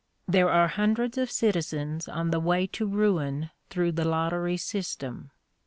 There are hundreds of citizens on the way to ruin through the lottery system.